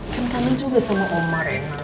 kan kanan juga sama oma rena